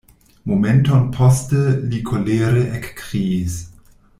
Momenton poste li kolere ekkriis: